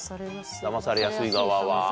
ダマされやすい側は。